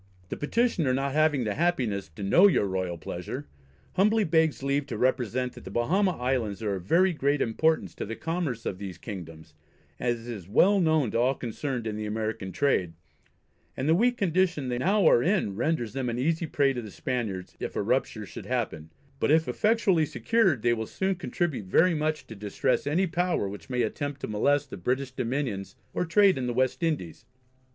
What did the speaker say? The Petitioner not having the happiness to know your royal pleasure, humbly begs leave to represent that the Bahama Islands are of very great importance to the commerce of these Kingdoms, as is well known to all concerned in the American trade; and the weak condition they now are in renders them an easy prey to the Spaniards, if a rupture should happen; but if effectually secured, they will soon contribute very much to distress any power which may attempt to molest the British Dominions or trade in the West Indies.